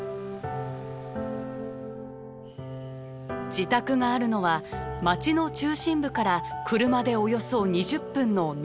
自宅があるのは町の中心部から車でおよそ２０分の農村地帯。